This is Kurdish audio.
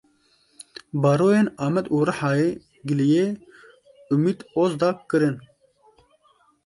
Baroyên Amed û Rihayê giliyê Umît Ozdag kirin.